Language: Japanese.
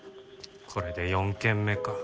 これで４軒目か。